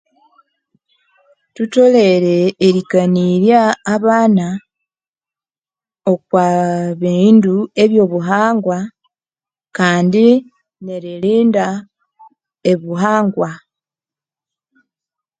Thutholere erikanirya abana okwabindu ebyobuhangwa kandi neririnda obuhangwa